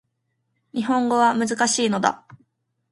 日本語は難しいのだ